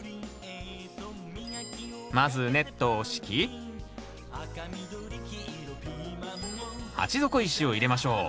まずネットを敷き鉢底石を入れましょう。